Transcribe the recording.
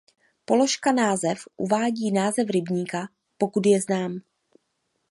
Položka název uvádí název rybníka pokud je znám.